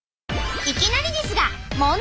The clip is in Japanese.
いきなりですが問題！